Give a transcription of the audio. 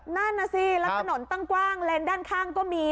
นั่นน่ะสิแล้วถนนตั้งกว้างเลนด้านข้างก็มี